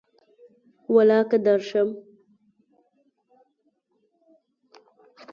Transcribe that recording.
ولاکه درشم